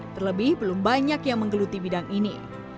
terlebih belum banyak yang menggeluti bidang ini